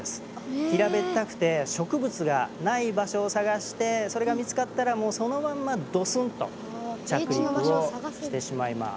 平べったくて植物がない場所を探してそれが見つかったらもうそのまんまドスンと着陸をしてしまいます。